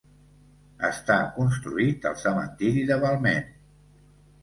Està construït al cementiri de Balmain.